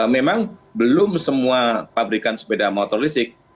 memang belum semua pabrikan sepeda motor listrik